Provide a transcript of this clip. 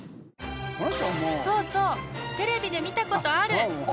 ［そうそう！テレビで見たことある］